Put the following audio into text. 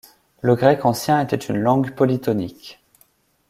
Le grec ancien était une langue polytonique.